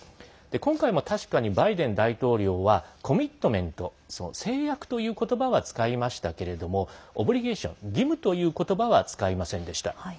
今回も確かにバイデン大統領はコミットメント、制約ということばは使いましたけれどもオブリゲーション、義務ということばは使いませんでした。